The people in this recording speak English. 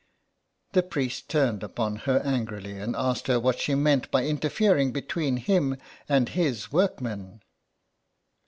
The priest turned upon her angrily and asked her what she meant by interfering between him and his workmen.